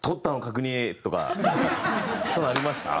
そういうのありました？